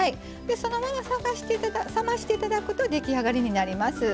そのまま冷ましていただくと出来上がりになります。